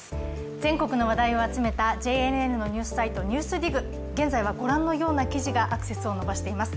全国の話題集めたＪＮＮのニュースサイト「ＮＥＷＳＤＩＧ」現在はご覧のような記事がアクセスを伸ばしています。